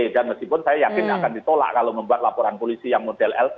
dan meskipun saya yakin akan ditolak kalau membuat laporan polisi yang model lp